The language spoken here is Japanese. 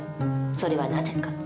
それはなぜか。